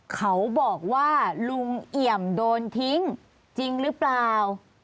เขาบอกว่าลุงเอี่ยมโดนทิ้งจริงหรือเปล่า